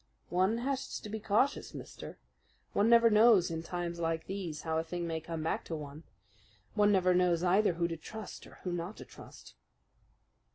"One has to be cautious, mister. One never knows in times like these how a thing may come back to one. One never knows either who to trust or who not to trust."